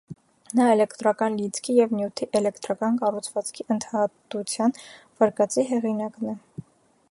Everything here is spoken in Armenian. Նա էլեկտրական լիցքի և նյութի էլեկտրական կառուցվածքի ընդհատության վարկածի հեղինակն է։